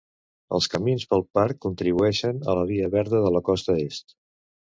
Els camins pel parc contribueixen a la via verda de la Costa Est.